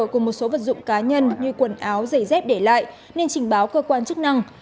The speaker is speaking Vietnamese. cùng một số vật dụng cá nhân như quần áo giày dép để lại nên trình báo cơ quan chức năng